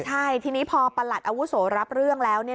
ใช่ทีนี้พอประหลัดอาวุโสรับเรื่องแล้ว